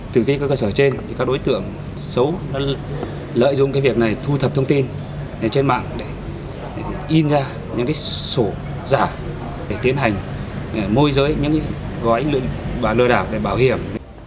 từ cái cơ sở trên các đối tượng xấu lợi dụng cái việc này thu thập thông tin trên mạng để in ra những cái sổ giả để tiến hành môi giới những cái gói lừa đảo để bảo hiểm